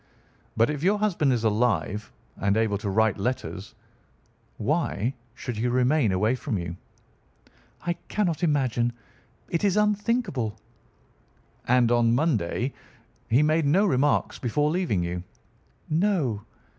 But if your husband is alive and able to write letters, why should he remain away from you?" "I cannot imagine. It is unthinkable." "And on Monday he made no remarks before leaving you?" "No."